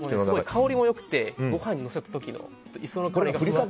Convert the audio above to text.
香りも良くてご飯にのせた時に磯の香りが。